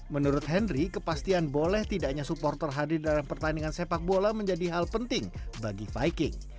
menurut henry kepastian boleh tidaknya supporter hadir dalam pertandingan sepak bola menjadi hal penting bagi viking